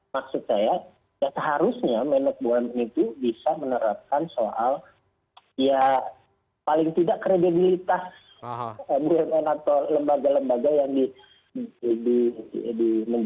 maksud saya ya seharusnya menekbun itu bisa menerapkan soal ya paling tidak kredibilitas bnn atau lembaga lembaga yang di menjadi bnn